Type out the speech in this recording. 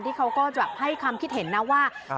เขาก็แบบให้ความคิดเห็นนะว่า